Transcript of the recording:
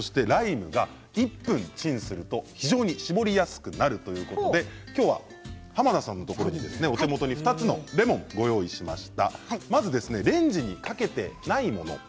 レモン、ライムが１分チンすると非常に搾りやすくなるということで今日は濱田さんのところにお手元に２つのレモンをご用意しました。